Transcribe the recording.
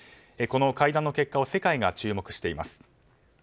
この会談の結果を世界が注目しています。